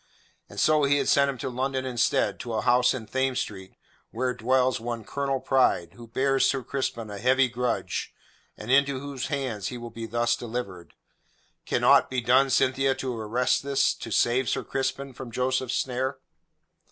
And so he has sent him to London instead, to a house in Thames Street, where dwells one Colonel Pride, who bears Sir Crispin a heavy grudge, and into whose hands he will be thus delivered. Can aught be done, Cynthia, to arrest this to save Sir Crispin from Joseph's snare?"